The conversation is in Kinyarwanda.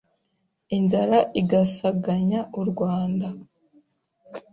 inzara igasaganya u Rwanda;